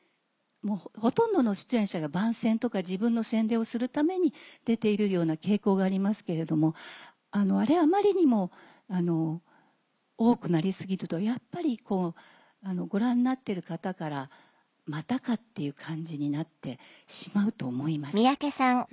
ほとんどの出演者が番宣とか自分の宣伝をするために出ているような傾向がありますけれどもあれあまりにも多くなり過ぎるとやっぱりご覧になっている方からまたかっていう感じになってしまうと思います。